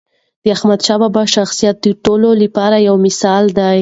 د احمدشاه بابا شخصیت د ټولو لپاره یو مثال دی.